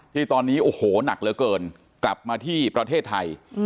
ที่ตอนนี้โอ้โหหนักเหลือเกินกลับมาที่ประเทศไทย